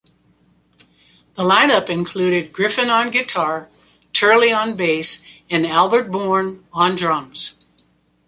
The lineup included Griffin on guitar, Turley on bass, and Albert Born on drums.